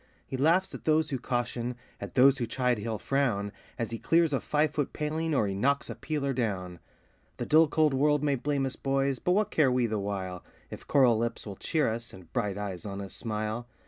He laughs at those who caution, at those who chide he'll frown, As he clears a five foot paling, or he knocks a peeler down. The dull, cold world may blame us, boys! but what care we the while, If coral lips will cheer us, and bright eyes on us smile?